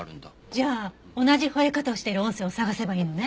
じゃあ同じ吠え方をしている音声を探せばいいのね？